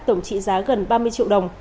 tổng trị giá gần ba mươi triệu đồng